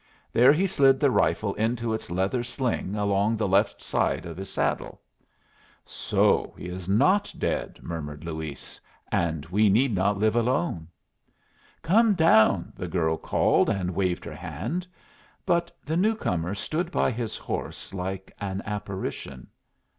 There he slid the rifle into its leather sling along the left side of his saddle. "So he is not dead," murmured Luis, "and we need not live alone." "Come down!" the girl called, and waved her hand. But the new comer stood by his horse like an apparition.